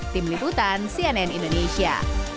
tim liputan cnn indonesia